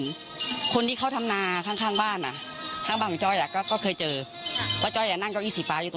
น้องจ้อยนั่งก้มหน้าไม่มีใครรู้ข่าวว่าน้องจ้อยเสียชีวิตไปแล้ว